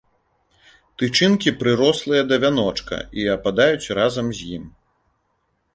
Тычынкі прырослыя да вяночка і ападаюць разам з ім.